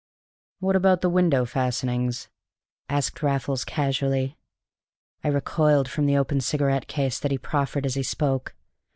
"What about the window fastenings?" asked Raffles casually. I recoiled from the open cigarette case that he proffered as he spoke.